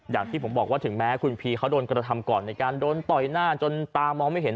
อย่างที่ผมบอกว่าถึงแม้คุณพีเขาโดนกระทำก่อนในการโดนต่อยหน้าจนตามองไม่เห็น